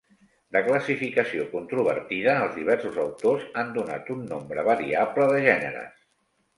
De classificació controvertida, els diversos autors han donat un nombre variable de gèneres.